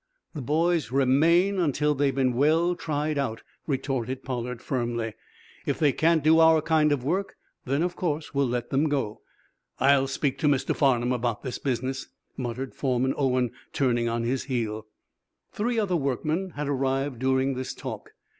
"The boys remain until they've been well tried out," retorted Pollard, firmly. "If they can't do our kind of work, then of course we'll let them go." "I'll speak to Mr. Farnum about this business," muttered Foreman Owen, turning on his heel. Three other workmen had arrived during this talk.